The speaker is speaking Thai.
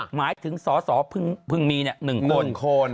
หมายถึงสอสอเพิ่งมี๑คน